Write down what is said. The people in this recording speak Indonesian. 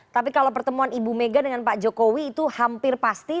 tapi kalau pertemuan ibu mega dengan pak jokowi itu hampir pasti